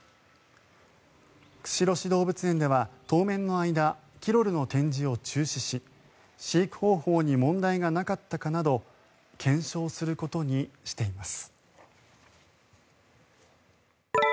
釧路市動物園では当面の間キロルの展示を中止し飼育方法に問題がなかったかなど検証することにしています。